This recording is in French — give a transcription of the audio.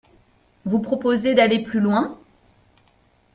Vous proposez d’aller plus loin.